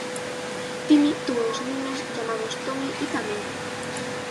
Timmy tuvo dos niños llamados Tommy y Tammy.